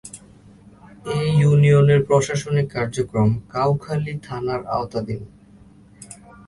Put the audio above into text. এ ইউনিয়নের প্রশাসনিক কার্যক্রম কাউখালী থানার আওতাধীন।